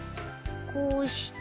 こうして。